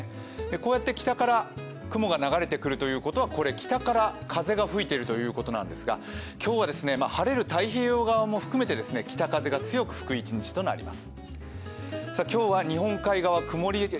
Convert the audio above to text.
こうやって北から雲が流れてくるということは北から風が吹いているということなんですが、今日は晴れる太平洋側も含めて北風が強く吹く一日となります。